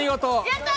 やった！